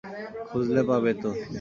খুঁজলে পাবে তো?